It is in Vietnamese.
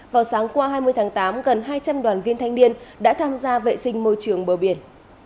vào sáng qua hai mươi tháng tám gần hai trăm linh đoàn viên thanh niên đã tham gia vệ sinh môi trường bờ biển